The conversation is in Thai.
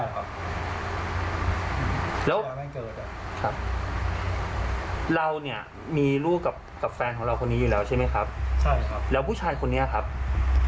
เขาก็มีครอบครัวครับมีเรื่องยังคุณกัน